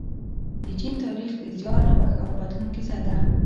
د چین تاریخ د زیار، نوښت او بدلون کیسه ده.